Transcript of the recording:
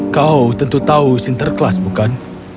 kau tentu tahu sinterklas bukan